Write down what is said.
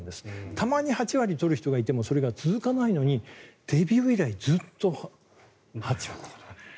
たまに８割取る人がいてもそれが続かないのにデビュー以来ずっと８割。